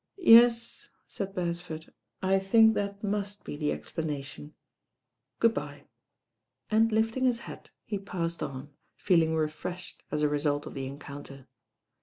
"Yes," said Beresford, "I think that must be the explanation. Good bye," and lifting his hat he passed on, feeling refreshed as a result of the en counter.